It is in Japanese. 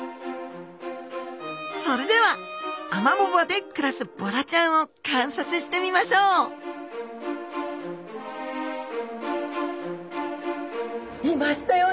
それではアマモ場で暮らすボラちゃんを観察してみましょういましたよ